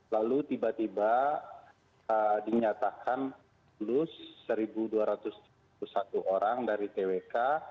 lalu tiba tiba dinyatakan lulus satu dua ratus tujuh puluh satu orang dari twk